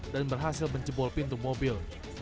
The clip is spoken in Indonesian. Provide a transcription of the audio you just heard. dan berhasil mencebol pintu mobil